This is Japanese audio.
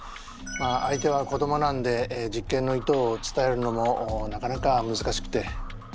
まあ相手は子どもなんで実験の意図を伝えるのもなかなかむずかしくて。